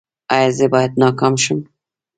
ایا زه باید ناکام شم؟